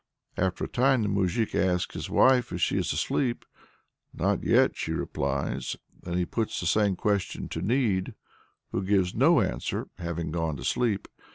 After a time the moujik asks his wife if she is asleep. "Not yet," she replies. Then he puts the same question to Need, who gives no answer, having gone to sleep.